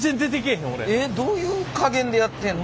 えっどういう加減でやってんの？